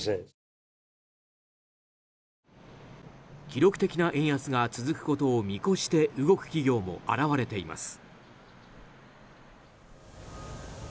記録的な円安が続くことを見越して動く企業も現れています。